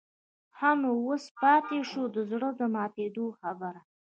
ښه نو اوس پاتې شوه د زړه د ماتېدو خبره.